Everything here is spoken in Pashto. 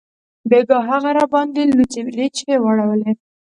بیګاه هغې راباندې لوڅې لیچې واړولې